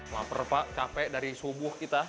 maper pak capek dari subuh kita